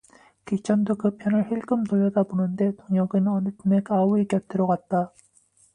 기천도 그편을 힐끔 돌려다보는데 동혁은 어느 틈에 아우의 곁으로 갔다.